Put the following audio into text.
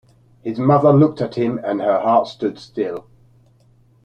His mother looked at him, and her heart stood still.